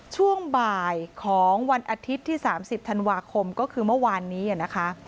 ช่วงบ่ายของวันอาทิตย์ที่๓๐ธันวาคมก็คือเมื่อวานนี้นะคะ